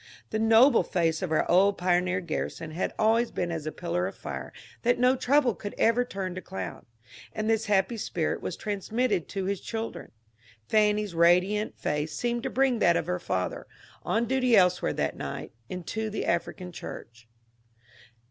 The noble face of our old pioneer Garrison had always been as a pillar of fire that no trouble could ever turn to cloud ; and this happy spirit was transmitted to his children. Fanny's radiant face seemed to bring that of her father — on duty elsewhere that night — into Uie African church.